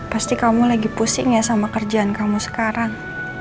pasti kamu lagi pusing ya sama kerjaan kamu sekarang